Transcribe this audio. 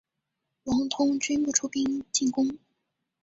王通均不出兵进攻。